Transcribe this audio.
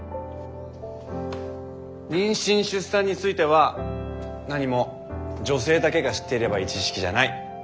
妊娠出産については何も女性だけが知っていればいい知識じゃない。